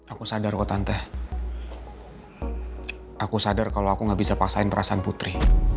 aku sadar kalau tante aku sadar kalau aku gak bisa paksain perasaan putri